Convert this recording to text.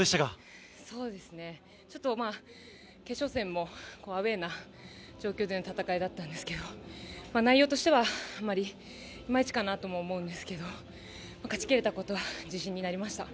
ちょっと決勝戦もアウェーな状況での戦いだったんですけど内容としてはあまり、いまいちかなとも思うんですけど勝ちきれたことは自信になりました。